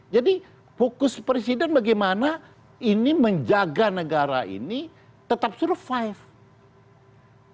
jadi fokus presiden bagaimana ini menjaga negara ini tetap survive